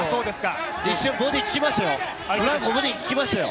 一瞬ボディききましたよ。